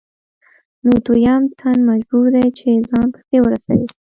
نو دویم تن مجبور دی چې ځان پسې ورسوي